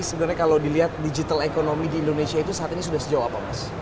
sebenarnya kalau dilihat digital economy di indonesia itu saat ini sudah sejauh apa mas